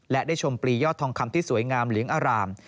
และได้ชมปลียอดทองคำที่สวยงามเหลืองอาราม